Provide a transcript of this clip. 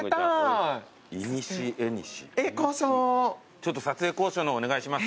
ちょっと撮影交渉の方お願いします